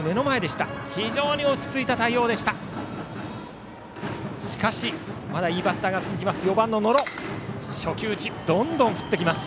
しかし、まだいいバッターが続きます。